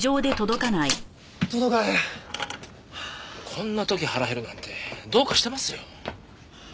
こんな時腹減るなんてどうかしてますよ。